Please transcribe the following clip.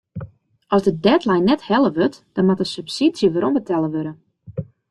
As de deadline net helle wurdt dan moat de subsydzje werombetelle wurde.